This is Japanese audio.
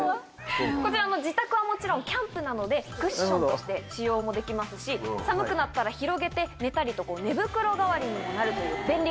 こちら自宅はもちろんキャンプなどでクッションとして使用もできますし寒くなったら広げて寝たりとこう寝袋代わりにもなるという便利グッズです。